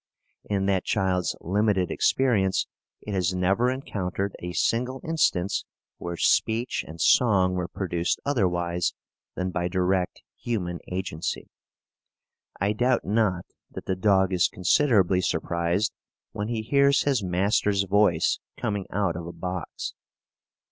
In that child's limited experience it has never encountered a single instance where speech and song were produced otherwise than by direct human agency. I doubt not that the dog is considerably surprised when he hears his master's voice coming out of a box.